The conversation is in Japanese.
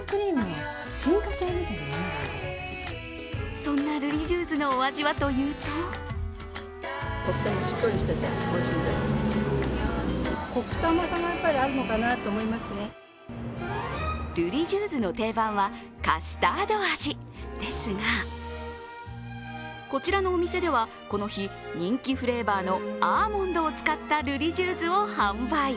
そんなルリジューズのお味はというとルリジューズの定番はカスタード味ですが、こちらのお店では、この日、人気フレーバーのアーモンドを使ったルリジューズを販売。